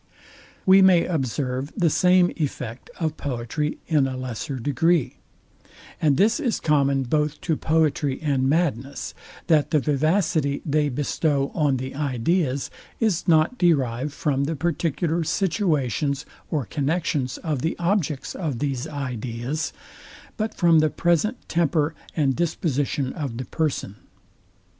We may observe the same effect of poetry in a lesser degree; and this is common both to poetry and madness, that the vivacity they bestow on the ideas is not derived from the particular situations or connexions of the objects of these ideas, but from the present temper and disposition of the person.